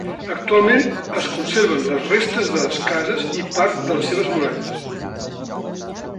Actualment es conserven les restes de les cases i part de les seves muralles.